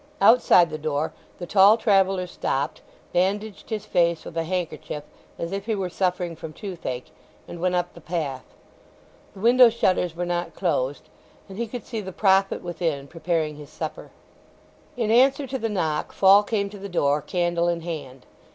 Outside the door the tall traveller stopped, bandaged his face with a handkerchief as if he were suffering from toothache, and went up the path. The window shutters were not closed, and he could see the prophet within, preparing his supper. In answer to the knock Fall came to the door, candle in hand.